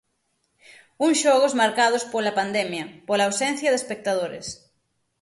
Uns xogos marcados pola pandemia, pola ausencia de espectadores.